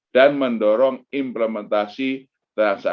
dan mendorong implementasi transferasi